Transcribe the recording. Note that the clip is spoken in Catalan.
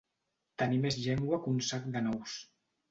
Tenir més llengua que un sac de nous.